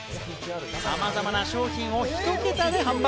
さまざまな商品を１ケタで販売。